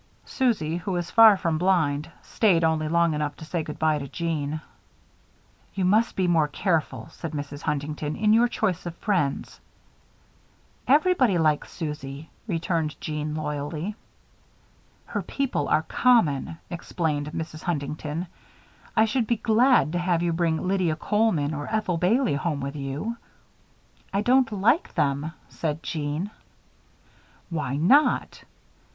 Susie, who was far from blind, stayed only long enough to say good by to Jeanne. "You must be more careful," said Mrs. Huntington, "in your choice of friends." "Everybody likes Susie," returned Jeanne, loyally. "Her people are common," explained Mrs. Huntington. "I should be glad to have you bring Lydia Coleman or Ethel Bailey home with you." "I don't like them," said Jeanne. "Why not?"